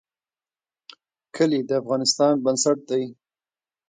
کلي د افغانستان بنسټ دی